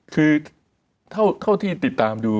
คือเท่าที่ติดตามดู